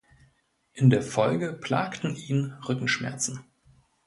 In der Folge plagten ihn Rückenschmerzen.